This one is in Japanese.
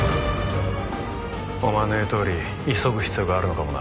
お前の言うとおり急ぐ必要があるのかもな。